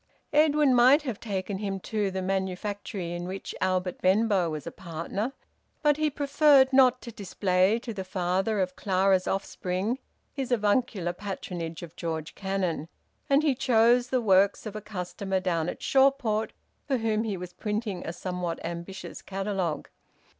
Edwin might have taken him to the manufactory in which Albert Benbow was a partner, but he preferred not to display to the father of Clara's offspring his avuncular patronage of George Cannon, and he chose the works of a customer down at Shawport for whom he was printing a somewhat ambitious catalogue.